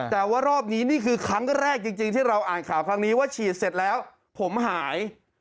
แต่ว่ารอบนี้นี่คือครั้งแรกจริงที่เราอ่านข่าวครั้งนี้ว่าฉีดเสร็จแล้วผมหาย